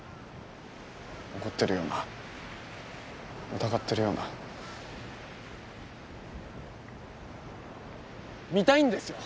怒ってるような疑ってるような見たいんですよ